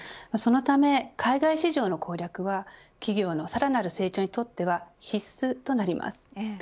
そのため海外市場の攻略は企業のさらなる成長にとっては必須となります。